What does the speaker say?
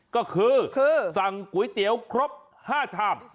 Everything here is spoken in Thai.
ก็คือสั่งก๋วยเตี๋ยวครบ๕ชาม